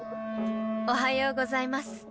おはようございます。